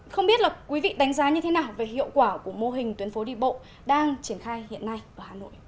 không biết là quý vị đánh giá như thế nào về hiệu quả của mô hình tuyến phố đi bộ đang triển khai hiện nay ở hà nội